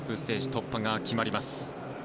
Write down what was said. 突破が決まります。